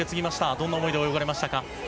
どんな思いで泳がれましたか。